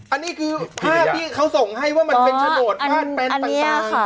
อันนี้คือภาพที่เขาส่งให้ว่ามันเป็นโฉนดพาดแปลงต่าง